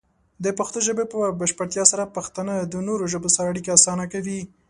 د پښتو ژبې په بشپړتیا سره، پښتانه د نورو ژبو سره اړیکې اسانه کوي.